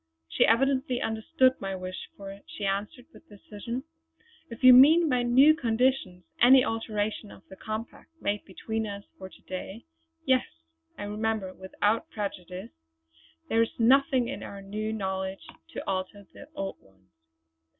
She evidently understood my wish, for she answered with decision: "If you mean by 'new conditions' any alteration of the compact made between us for to day yes, I remember 'without prejudice' there is nothing in our new knowledge to alter the old ones.